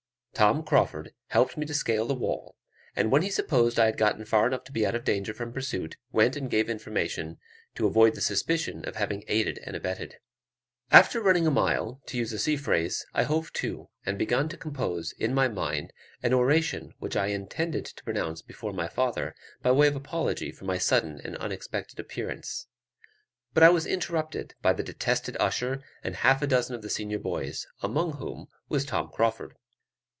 Tom Crauford helped me to scale the wall; and when he supposed I had got far enough to be out of danger from pursuit, went and gave information, to avoid the suspicion of having aided and abetted. After running a mile, to use a sea phrase, I hove to, and began to compose, in my mind, an oration which I intended to pronounce before my father, by way of apology for my sudden and unexpected appearance; but I was interrupted by the detested usher and half a dozen of the senior boys, among whom was Tom Crauford.